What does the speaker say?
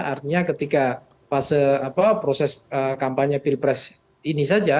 artinya ketika fase proses kampanye pilpres ini saja